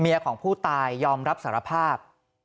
ของผู้ตายยอมรับสารภาพ